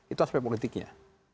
itu aspek politiknya